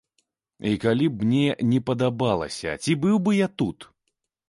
І калі б мне не падабалася, ці быў бы я тут?